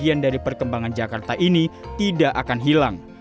bagian dari perkembangan jakarta ini tidak akan hilang